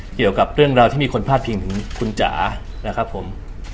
เกี่ยวกับเรื่องราวที่มีคนพาดพิงถึงคุณจ๋านะครับผม